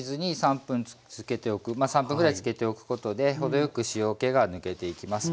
３分ぐらいつけておくことで程よく塩けが抜けていきます。